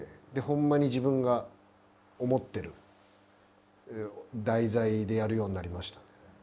でホンマに自分が思ってる題材でやるようになりましたね。